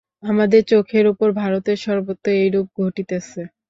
আমাদের চোখের উপর ভারতের সর্বত্র এইরূপ ঘটিতেছে।